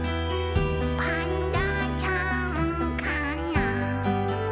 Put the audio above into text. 「パンダちゃんかな？」